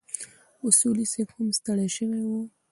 اصولي صیب هم ستړی شوی و.